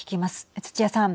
土屋さん。